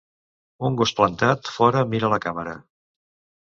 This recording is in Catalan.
Un gos plantat fora mira la càmera.